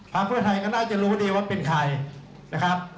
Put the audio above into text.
เพื่อไทยก็น่าจะรู้ดีว่าเป็นใครนะครับ